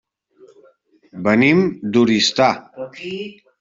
Venim d'Oristà.